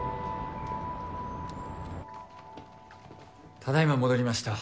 ただいま戻りました。